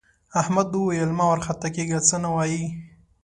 احمد وویل مه وارخطا کېږه څه نه وايي.